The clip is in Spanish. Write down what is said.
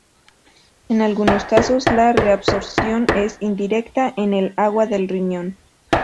En algunos casos, la reabsorción es indirecta en el agua del riñón.